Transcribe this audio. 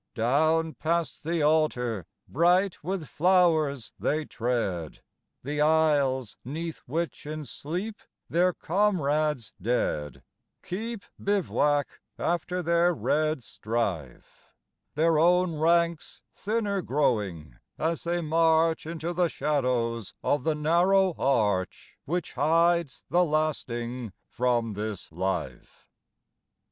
Down past the altar, bright with flowers, they tread The aisles 'neath which in sleep their comrades dead Keep bivouac after their red strife, Their own ranks thinner growing as they march Into the shadows of the narrow arch Which hides the lasting from this life.